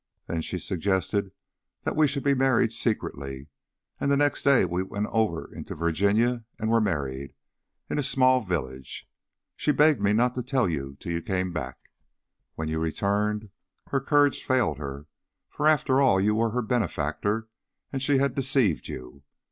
Then she suggested that we should be married secretly, and the next day we went over into Virginia and were married in a small village. She begged me not to tell you till you came back. When you returned, her courage failed her, for after all you were her benefactor and she had deceived you.